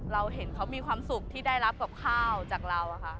เราเห็นเขามีความสุขที่ได้รับกับข้าวจากเรา